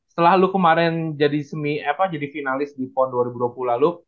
setelah lu kemarin jadi finalis di pon dua ribu dua puluh lalu